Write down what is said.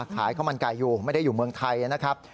ขายข้าวมันไก่อยู่ไม่ได้อยู่เมืองไทยนะครับ